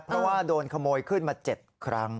เพราะว่าโดนขโมยขึ้นมา๗ครั้ง